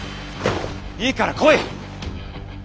いいから来い！